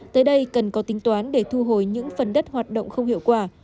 tới đây cần có tính toán để thu hồi những phần đất hoạt động không hiệu quả